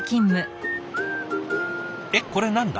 えっこれ何だ？